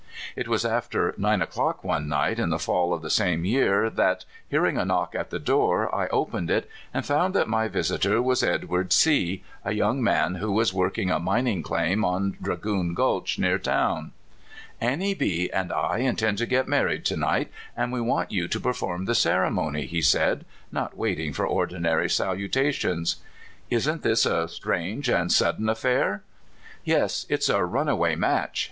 It was after nine o'clock one night in the fall of the same year that, hearing a knock at the door, I opened it, and found that my visitor was Edward C , a young man who was working a mining claim on Dragoon Gulch, near town. CALIFORNIA WEDDINGS. 303 "Annie R and I intend to get married to night, and we want you to perform the ceremony," he said, not waiting for ordinary salutations. Isn't this a strange and sudden affair? "*' Yes; it's a runaway match.